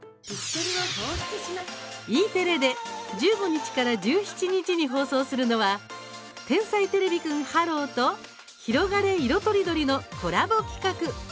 Ｅテレで１５日から１７日に放送するのは「天才てれびくんｈｅｌｌｏ，」と「ひろがれ！いろとりどり」のコラボ企画。